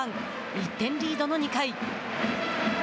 １点リードの２回。